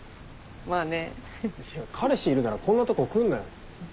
いや彼氏いるならこんなとこ来んなよ。